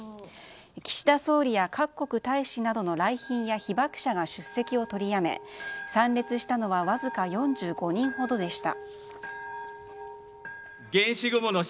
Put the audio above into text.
岸田総理や各国大使などの来賓や被爆者が出席を取りやめ参列したのはわずか４５人ほどでした。